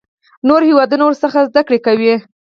نور هیوادونه ورڅخه زده کړه کوي.